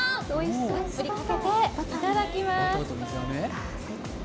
たっぷりかけていただきます。